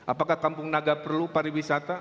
apakah kampung naga perlu pariwisata